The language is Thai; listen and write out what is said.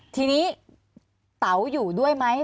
ทีนี้เต๋าอยู่ด้วยไหม